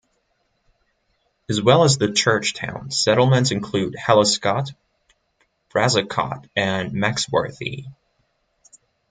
As well as the church town, settlements include Hellescott, Brazacott, and Maxworthy.